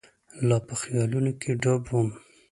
لا په خیالونو کې ډوب وم.